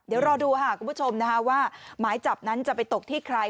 เดี๋ยวรอดูค่ะคุณผู้ชมว่าหมายจับนั้นจะไปตกที่ใคร